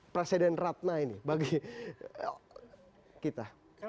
presiden ratna ini bagi kita